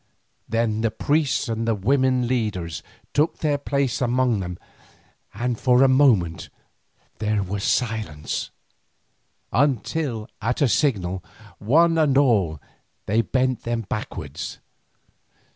Then the priests and the women leaders took their place among them and for a moment there was silence, until at a signal one and all they bent them backwards.